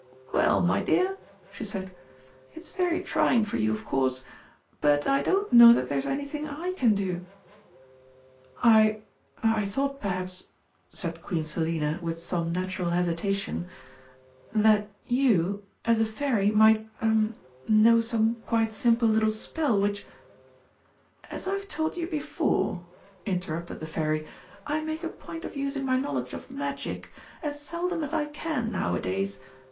"Well, my dear," she said, "it's very trying for you, of course. But I don't know that there's anything I can do." "I I thought perhaps," said Queen Selina, with some natural hesitation, "that you, as a Fairy, might er know some quite simple little spell which " "As I have told you before," interrupted the Fairy, "I make a point of using my knowledge of Magic as seldom as I can nowadays.